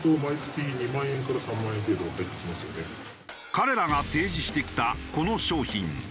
彼らが提示してきたこの商品。